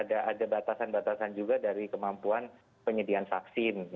ada batasan batasan juga dari kemampuan penyediaan vaksin